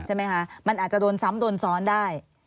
ใช่ไหมคะมันอาจจะโดนซ้ำโดนซ้อนได้